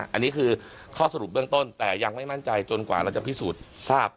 อันนี้คือข้อสรุปเบื้องต้นแต่ยังไม่มั่นใจจนกว่าเราจะพิสูจน์ทราบ